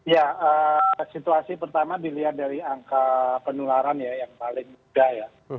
ya situasi pertama dilihat dari angka penularan ya yang paling mudah ya